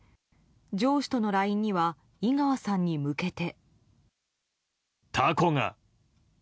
上司とのＬＩＮＥには井川さんに向けて。